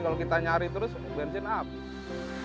kalau kita nyari terus bensin up